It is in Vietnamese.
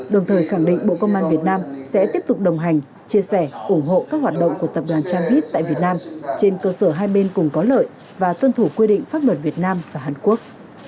đồng thời khẳng định bộ công an việt nam sẽ tiếp tục đồng hành chia sẻ ủng hộ các hoạt động của tập đoàn chang hit tại việt nam trên cơ sở hai bên cùng có lợi và tuân thủ quy định pháp luật việt nam và hàn quốc